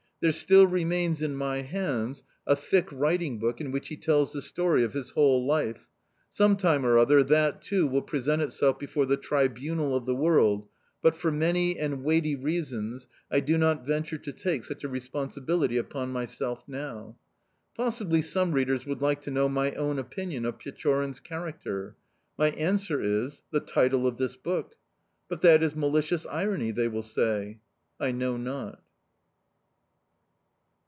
There still remains in my hands a thick writing book in which he tells the story of his whole life. Some time or other that, too, will present itself before the tribunal of the world, but, for many and weighty reasons, I do not venture to take such a responsibility upon myself now. Possibly some readers would like to know my own opinion of Pechorin's character. My answer is: the title of this book. "But that is malicious irony!" they will say... I know not.